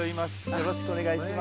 よろしくお願いします。